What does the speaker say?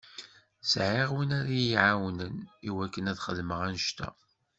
Sɛiɣ win ara yi-iɛawnen i wakken ad xedmeɣ annect-a.